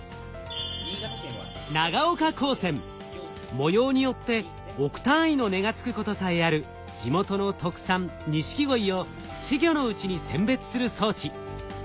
模様によって億単位の値がつくことさえある地元の特産錦鯉を稚魚のうちに選別する装置。